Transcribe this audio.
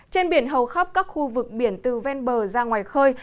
trên biển hầu khắp các khu vực biển từ ven bờ ra ngoài khơi